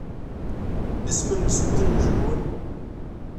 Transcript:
Isem-nnes umtiweg-nwen?